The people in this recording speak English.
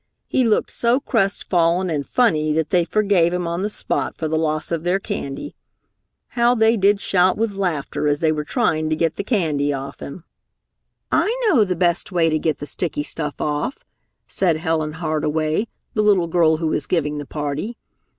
He looked so crestfallen and funny that they forgave him on the spot for the loss of their candy. How they did shout with laughter as they were trying to get the candy off him! "I know the best way to get the sticky stuff off," said Helen Hardway, the little girl who was giving the party.